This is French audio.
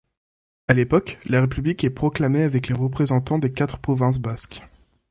À l'époque, la République est proclamée avec les représentants des quatre provinces basques.